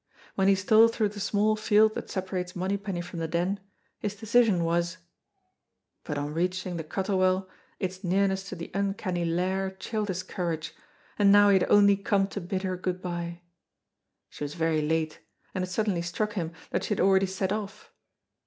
When he stole through the small field that separates Monypenny from the Den, his decision was but on reaching the Cuttle Well, its nearness to the uncanny Lair chilled his courage, and now he had only come to bid her good by. She was very late, and it suddenly struck him that she had already set off.